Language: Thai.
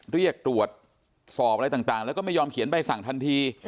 เรียกตรวจสอบอะไรต่างแล้วก็ไม่ยอมเขียนใบสั่งทันที